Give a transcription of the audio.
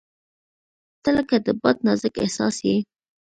• ته لکه د باد نازک احساس یې.